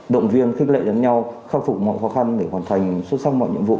động viên khích lệ đánh nhau khắc phục mọi khó khăn để hoàn thành xuất sắc mọi nhiệm vụ